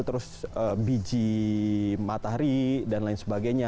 terus biji matahari dan lain sebagainya